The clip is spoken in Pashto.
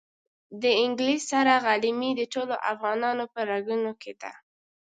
د انګلیس سره غلیمي د ټولو افغانانو په رګونو کې ده.